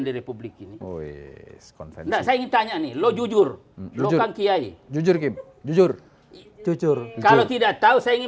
di republik ini saya ingin tanya nih lo jujur lo kang kiai jujur kim jujur jujur kalau tidak tahu saya ingin